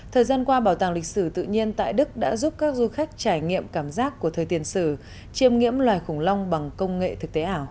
thời gian qua bảo tàng lịch sử tự nhiên tại đức đã giúp các du khách trải nghiệm cảm giác của thời tiền sinh